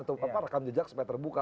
atau pak pak rekam jejak supaya terbuka